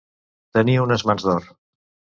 Tenir unes mans d'or.